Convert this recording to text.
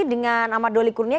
dengan ahmad doli kurnia